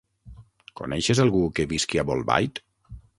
Coneixes algú que visqui a Bolbait?